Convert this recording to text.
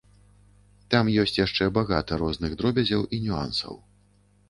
Там ёсць яшчэ багата розных дробязяў і нюансаў.